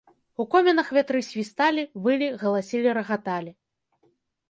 У комінах вятры свісталі, вылі, галасілі, рагаталі.